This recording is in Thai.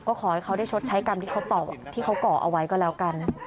ก็ขอให้เขาได้ชดใช้กรรมที่เขาต่อที่เขาก่อเอาไว้ก็แล้วกัน